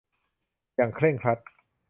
อย่างเคร่งครัด